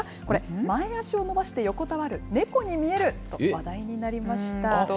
これ、前足を伸ばして横たわるネコに見えると話題となりました。